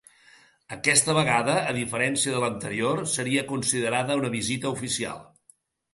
Aquesta vegada, a diferència de l’anterior, seria considerada una visita oficial.